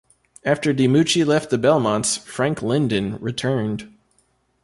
After DiMucci left the Belmonts, Frank Lyndon returned.